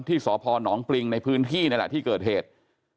ที่สอบพอร์หนองปริงในพื้นที่เนี่ยแหละที่เกิดเหตุ